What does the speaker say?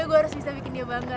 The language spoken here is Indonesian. gue harus bisa bikin dia bangga